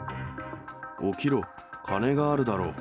起きろ、金があるだろう。